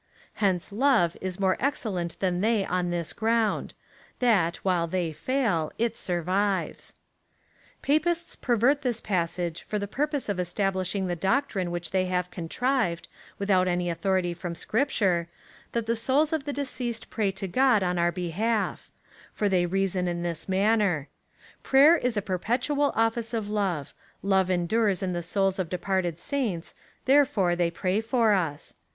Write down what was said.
Hence love is more excellent than they on this ground — that, while they fail, it survives. Papists pervert this passage, for the purpose of establish ing the doctrine which they have contrived, without any authority from Scripture — that the souls of the deceased pray to God on our behalf For they reason in this manner :" Prayer is a perpetual office of love — love endures in the souls of departed saints — therefore they pray for us.''